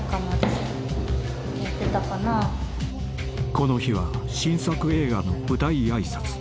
［この日は新作映画の舞台挨拶］